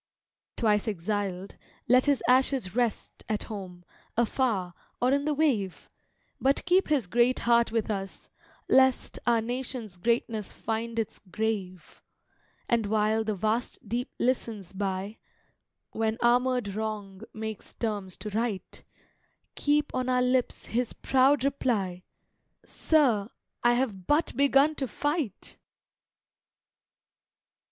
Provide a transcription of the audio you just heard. Twice exiled, let his ashes rest At home, afar, or in the wave, But keep his great heart with us, lest Our nation's greatness find its grave; And, while the vast deep listens by, When armored wrong makes terms to right, Keep on our lips his proud reply, "Sir, I have but begun to fight!"